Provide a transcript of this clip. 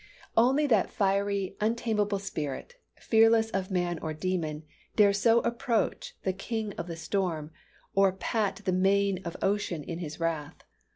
Only that fiery, untameable spirit, fearless of man or demon, dare so approach the King of the Storm, or pat the mane of Ocean in his wrath.